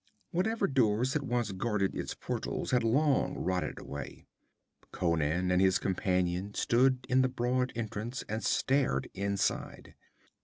Whatever doors had once guarded its portals had long rotted away. Conan and his companion stood in the broad entrance and stared inside.